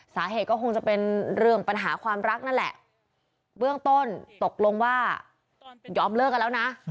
สาเหตุก็คงจะเป็นเรื่องปัญหาความรักนั่นแหละเบื้องต้นตกลงว่ายอมเลิกกันแล้วนะ